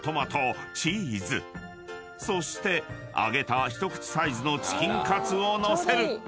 ［そして揚げた一口サイズのチキンカツを載せる］